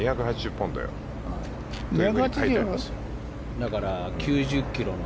だから９０ｋｇの。